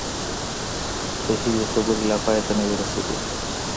د هيلې خبرې لا پای ته نه وې رسېدلې